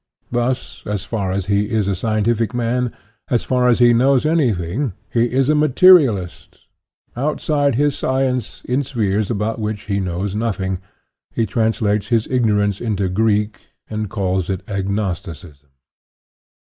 Thus, as far as he is a scientific man, as far as he knows anything, he is a materialist; outside his science, in spheres about which he knows nothing, INTRODUCTION 23 he translates his ignorance into Greek and callb it agnosticism.